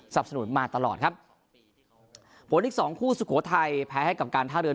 สนุนมาตลอดครับผลอีกสองคู่สุโขทัยแพ้ให้กับการท่าเรือ